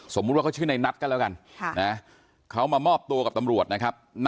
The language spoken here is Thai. สมมุติว่าเขาชื่อในนัทก็แล้วกันเขามามอบตัวกับตำรวจนะครับ